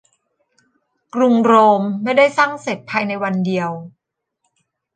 กรุงโรมไม่ได้สร้างเสร็จภายในวันเดียว